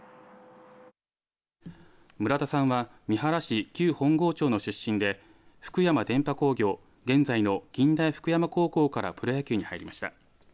村田さんは三原市旧本郷町の出身で福山電波工業現在の近代福山高校からプロ野球に入りました。